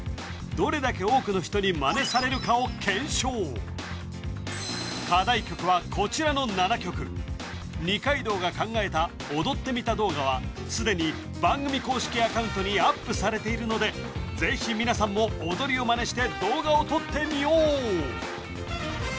どれだけ多くの人にまねされるかを検証課題曲はこちらの７曲二階堂が考えた踊ってみた動画はすでに番組公式アカウントにアップされているのでぜひ皆さんも踊りをまねして動画を撮ってみよう！